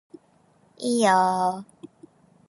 いいよー